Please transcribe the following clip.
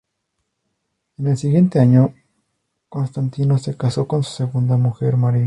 En el siguiente año, Constantino se casó con su segunda mujer María.